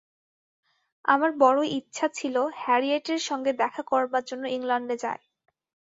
আমার বড়ই ইচ্ছা ছিল হ্যারিয়েটের সঙ্গে দেখা করবার জন্য ইংলণ্ডে যাই।